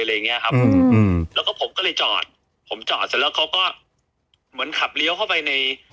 อะไรอย่างเงี้ยครับผมอืมแล้วก็ผมก็เลยจอดผมจอดเสร็จแล้วเขาก็เหมือนขับเลี้ยวเข้าไปใน